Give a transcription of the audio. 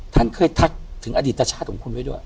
ท่านเคยทักถึงอดีตชาติของคุณไว้ด้วย